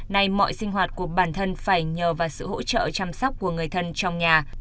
nay mọi sinh hoạt của bản thân phải nhờ vào sự hỗ trợ chăm sóc của người thân trong nhà